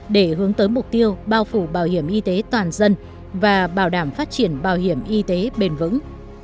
để hướng tới mục tiêu bao phủ bảo hiểm y tế toàn dân và bảo đảm phát triển bảo hiểm y tế bền vững